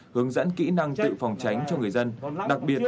hướng dẫn kỹ năng tự phòng tránh cho người dân